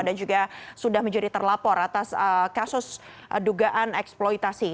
dan juga sudah menjadi terlapor atas kasus dugaan eksploitasi